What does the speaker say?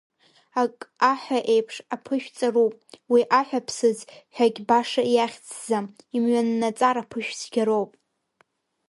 Ак аҳәа еиԥш аԥышә ҵаруп, уи аҳәа-ԥсыӡ ҳәагь баша иахьӡӡам, имҩаннаҵар аԥышә цәгьароуп…